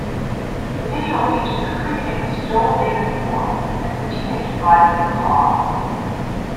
The video features a prefamous Joel David Moore as the teenager driving the car.